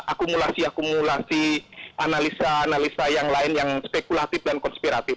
akumulasi akumulasi analisa analisa yang lain yang spekulatif dan konspiratif